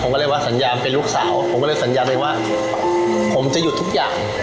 ผมก็เลยสัญญาเลยว่าผมจะหยุดทุกอย่าง